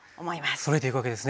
あっそろえていくわけですね。